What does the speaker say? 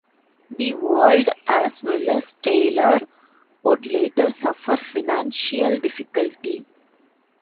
"The World", as well as Taylor, would later suffer financial difficulty.